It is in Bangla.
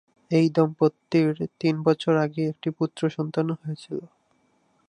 এই দম্পতির তিন বছর আগেই একটি পুত্রসন্তান হয়েছিল।